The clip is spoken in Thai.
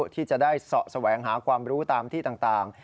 ที่จะได้เสาะแสวงหาความรู้ตามที่ต่าง